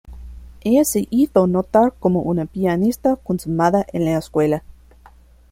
Ella se hizo notar como una pianista consumada en la escuela.